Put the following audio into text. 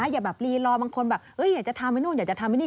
อย่าแบบรีรอบางคนแบบอยากจะทำไอ้นู่นอยากจะทำไอ้นี่